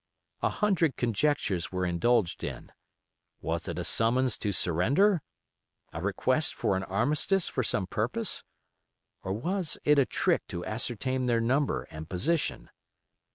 A hundred conjectures were indulged in. Was it a summons to surrender? A request for an armistice for some purpose? Or was it a trick to ascertain their number and position?